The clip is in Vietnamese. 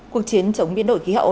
cuộc chiến chống biến đổi khí hậu